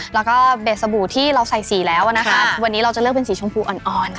แล้วก็เบสบู่ที่เราใส่สีแล้วนะคะวันนี้เราจะเลือกเป็นสีชมพูอ่อน